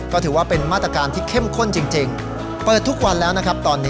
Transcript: ก็ถือว่าเป็นมาตรการที่เข้มข้นจริงเปิดทุกวันแล้วนะครับตอนนี้